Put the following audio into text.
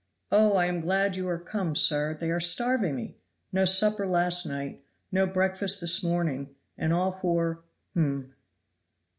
"Oh, I am glad you are come, sir; they are starving me! No supper last night, no breakfast this morning, and all for hum."